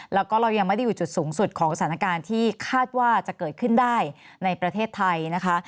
แล้วก็เรายังไม่ได้อยู่จุดสูงสุดของสถานการณ์ที่คาดว่าจะเกิดขึ้นได้ในประเทศไทยนะคะ